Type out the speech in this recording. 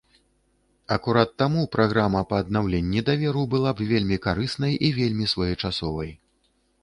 Акурат таму праграма па аднаўленні даверу была б вельмі карыснай і вельмі своечасовай.